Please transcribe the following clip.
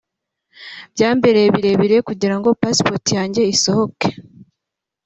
byambereye birebire kugirango passport yanjye isohoke’’